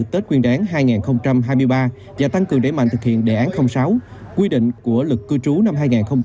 tết quyên đoán hai nghìn hai mươi ba và tăng cường đẩy mạnh thực hiện đề án sáu quy định của lực cư trú năm hai nghìn hai mươi